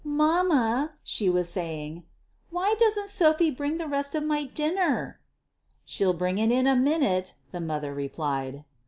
"Mamma," she was saying; "why doesn't Sophie bring the rest of my dinner V "She'll bring it in a minute," the mother replied.